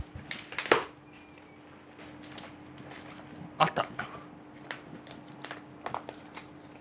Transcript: あった。